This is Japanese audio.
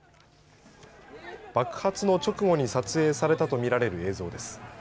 爆発の直後に撮影されたと見られる映像です。